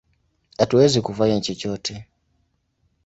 Hatuwezi kufanya chochote!